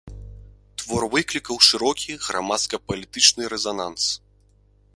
Твор выклікаў шырокі грамадска-палітычны рэзананс.